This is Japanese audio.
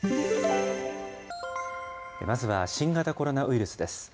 まずは新型コロナウイルスです。